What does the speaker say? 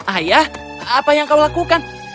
ayah apa yang kau lakukan